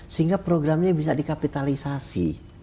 sehingga programnya bisa dikapitalisasi